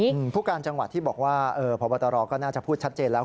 เหมือนภูกาลจังหวัดที่บอกว่าพบตรก็น่าจะพูดชัดเจนแล้ว